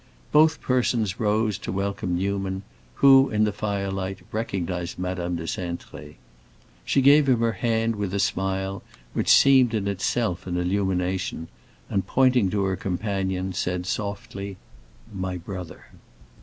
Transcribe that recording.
Both persons rose to welcome Newman, who, in the firelight, recognized Madame de Cintré. She gave him her hand with a smile which seemed in itself an illumination, and, pointing to her companion, said softly, "My brother."